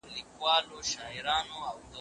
يوازيتوب د پای ټکی نه دی.